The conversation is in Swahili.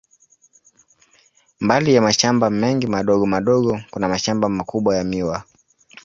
Mbali ya mashamba mengi madogo madogo, kuna mashamba makubwa ya miwa.